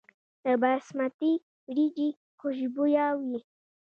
د باسمتي وریجې خوشبويه وي.